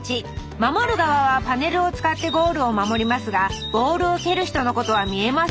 守る側はパネルを使ってゴールを守りますがボールを蹴る人のことは見えません。